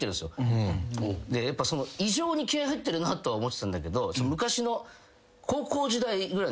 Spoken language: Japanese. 異常に気合入ってるなとは思ってたんだけど昔の。